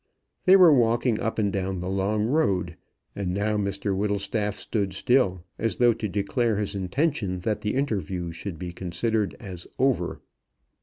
They were walking up and down the long walk, and now Mr Whittlestaff stood still, as though to declare his intention that the interview should be considered as over.